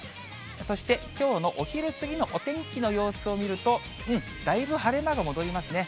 そして、きょうのお昼過ぎのお天気の様子を見ると、だいぶ晴れ間が戻りますね。